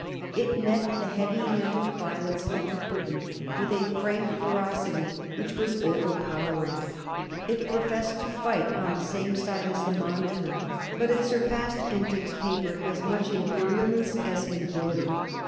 It met the heavy handed violence of the Briton with a frank ferocity which was overpowering. It professed to fight on the same side as the Monitor, but it surpassed Entinck's paper as much in virulence as in ability.